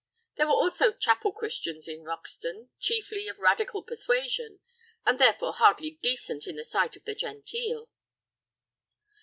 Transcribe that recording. There were also Chapel Christians in Roxton, chiefly of Radical persuasion, and therefore hardly decent in the sight of the genteel.